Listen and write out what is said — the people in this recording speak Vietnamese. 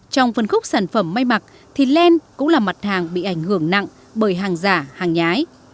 trong phân khúc sản phẩm may mặc thì len cũng là mặt hàng bị ảnh hưởng nặng bởi hàng giả hàng nhái